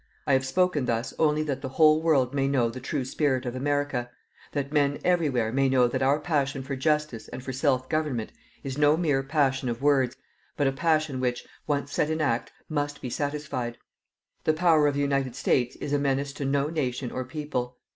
I have spoken thus only that the whole world may know the true spirit of America that men everywhere may know that our passion for justice and for self government is no mere passion of words, but a passion which, once set in act, must be satisfied. The power of the United States is a menace to no nation or people.